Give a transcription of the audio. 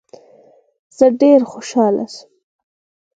زه ډیر خوشحاله سوم.